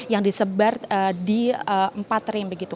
yang disebar di empat ring begitu